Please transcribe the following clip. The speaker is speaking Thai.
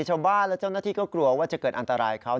ชาวบ้านและเจ้าหน้าที่ก็กลัวว่าจะเกิดอันตรายเขา